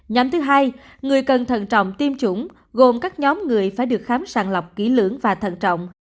nhóm thứ hai người cần thận trọng tiêm chủng gồm các nhóm người phải được khám sàng lọc kỹ lưỡng và thận trọng